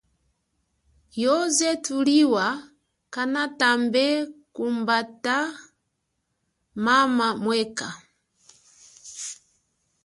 Yoze thuliwa kanatambe kumbata mama mwekha.